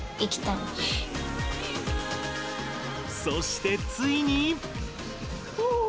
そしてついに。